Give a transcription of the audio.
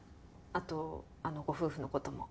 後あのご夫婦のことも。